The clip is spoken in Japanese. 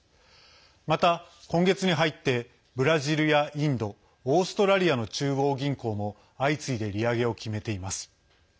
また、今月に入ってブラジルやインドオーストラリアの中央銀行も相次いで利上げを決めています。